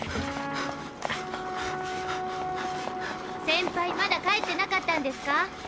センパイまだ帰ってなかったんですか？